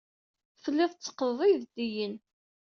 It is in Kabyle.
Tellid tetteqqded ideddiyen.